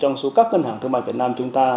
trong số các ngân hàng thương mại việt nam chúng ta